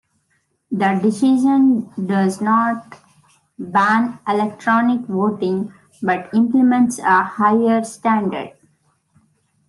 The decision does not ban electronic voting but implements a higher standard.